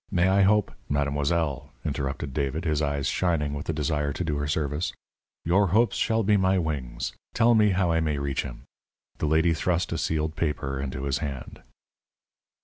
May I hope " "Mademoiselle," interrupted David, his eyes shining with the desire to do her service, "your hopes shall be my wings. Tell me how I may reach him." The lady thrust a sealed paper into his hand.